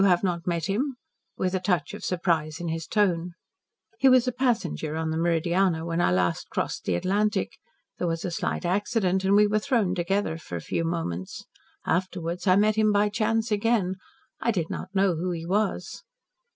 You have not met him?" with a touch of surprise in his tone. "He was a passenger on the Meridiana when I last crossed the Atlantic. There was a slight accident and we were thrown together for a few moments. Afterwards I met him by chance again. I did not know who he was."